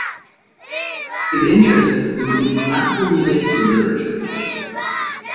His interests include classical music and literature.